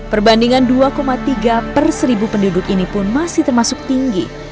perbandingan dua tiga per seribu penduduk ini pun masih termasuk tinggi